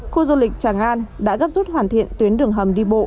khu du lịch tràng an đã gấp rút hoàn thiện tuyến đường hầm đi bộ